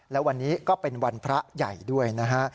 และวันนี้ก็เป็นวันพระใหญ่ด้วยนะฮะ